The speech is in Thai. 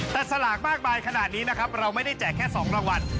แต่สลากมากมายขนาดนี้นะครับเราไม่ได้แจกแค่๒รางวัล